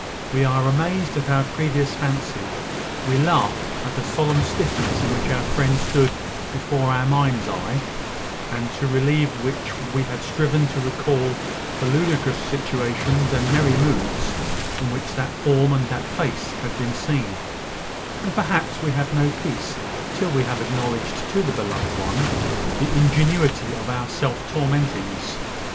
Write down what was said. We are amazed at our previous fancy we laugh at the solemn stiffness in which our friend stood before our mind's eye, and to relieve which we had striven to recall the ludicrous situations and merry moods, in which that form and that face had been seen; and perhaps we have no peace till we have acknowledged to the beloved one the ingenuity of our self tormentings.